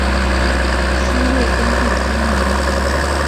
西魏恭帝三年。